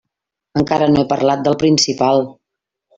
Encara no he parlat del principal.